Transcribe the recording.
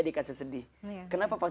dikasih sedih kenapa pas